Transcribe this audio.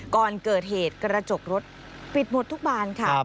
ก่อนเกิดเหตุกระจกรถปิดหมดทุกบานค่ะ